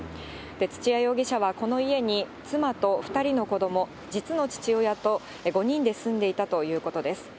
土屋容疑者はこの家に妻と２人の子ども、実の父親と５人で住んでいたということです。